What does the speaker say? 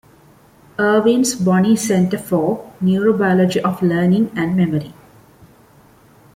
Irvine's Bonney Center for Neurobiology of Learning and Memory.